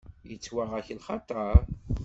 Yettwaɣ-ak lxaṭer?